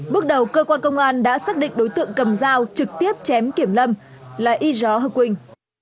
bước đầu cơ quan công an đã xác định đối tượng cầm dao trực tiếp chém kiểm lâm là y gió hơ quỳnh